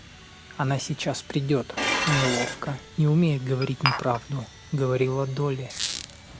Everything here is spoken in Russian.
Она сейчас придет, — неловко, не умея говорить неправду, говорила Долли.